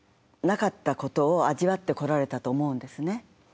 なかったことを味わってこられたと思うんですね。